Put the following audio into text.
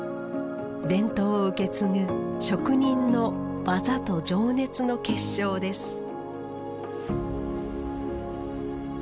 伝統を受け継ぐ職人の技と情熱の結晶です